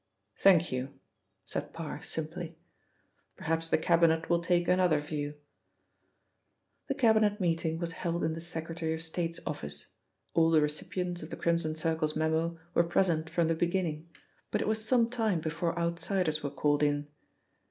"Thank you," said Parr simply. "Perhaps the Cabinet will take another view." The Cabinet meeting was held in the Secretary of State's office; all the recipients of the Crimson Circle's memo were present from the beginning, but it was some time before outsiders were called in.